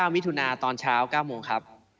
มิถุนาตอนเช้า๙โมงครับ